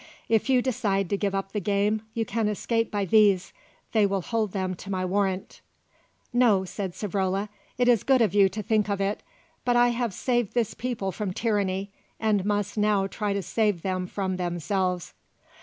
If you decide to give up the game you can escape by these; they will hold them to my warrant." "No," said Savrola. "It is good of you to think of it; but I have saved this people from tyranny and must now try to save them from themselves."